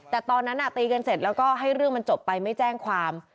แต่ตอนนั้นตีกันเสร็จแล้วก็ให้เรื่องมันจบไปไม่แจ้งความ